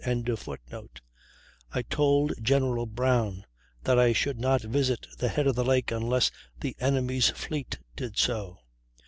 ], "I told (General Brown) that I should not visit the head of the lake unless the enemy's fleet did so.